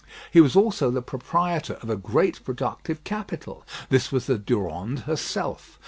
He was also the proprietor of a great productive capital. This was the Durande herself.